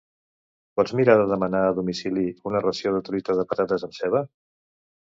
Pots mirar de demanar a domicili una ració de truita de patates amb ceba?